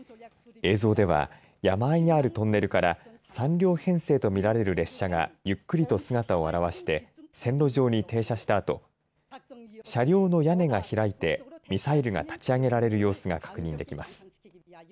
映像では山あいにあるトンネルから３両編成と見られる列車がゆっくりと姿を現して線路上に停車したあと車両の屋根が開いてミサイルが立ち上げられる様子が確認できます。